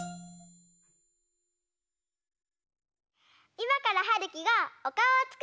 いまからはるきがおかおをつくるよ。